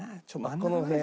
この辺に。